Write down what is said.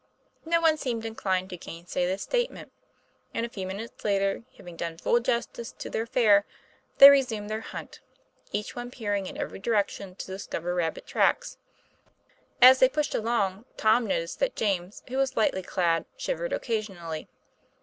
No one seemed inclined to gainsay this statement ; and a few minutes later, having done full justice to their fare, they resumed their hunt, each one peering in every direction to discover rabbit tracks. As they pushed along, Tom noticed that James, who was lightly clad, shivered occasionally.